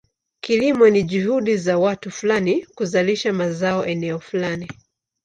Kilimo ni juhudi za watu fulani kuzalisha mazao eneo fulani.